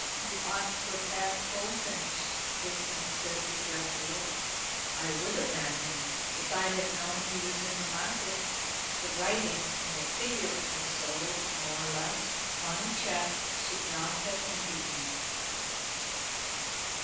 "You ought to have had Bullfinch," said Vixen regretfully. "I would have had him, if I had known he was in the market. The writing of a figure or so more or less on a cheque should not have hindered me."